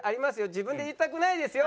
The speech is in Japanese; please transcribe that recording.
自分で言いたくないですよ。